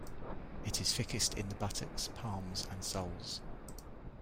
It is thickest in the buttocks, palms, and soles.